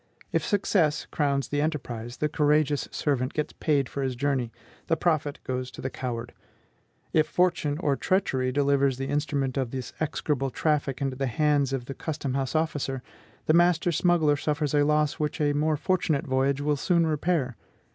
If success crowns the enterprise, the courageous servant gets paid for his journey; the profit goes to the coward. If fortune or treachery delivers the instrument of this execrable traffic into the hands of the custom house officer, the master smuggler suffers a loss which a more fortunate voyage will soon repair.